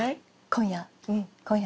今夜。